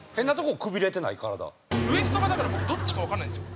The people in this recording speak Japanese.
ウエストがだから僕どっちかわかんないんですよ。